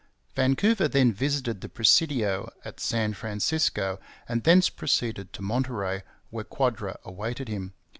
Vancouver then visited the presidio at San Francisco, and thence proceeded to Monterey, where Quadra awaited him.